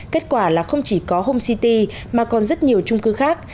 kết quả là không chỉ có home city mà còn rất nhiều trung cư khác